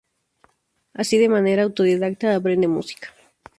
Así, de manera autodidacta, aprende música.